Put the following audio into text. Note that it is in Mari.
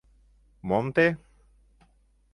— Мом те?